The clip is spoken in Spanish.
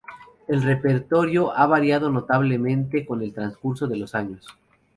El repertorio ha variado notablemente con el trascurso de los años.